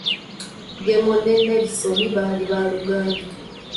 Gemo ne Nelisoni baali ba luganda.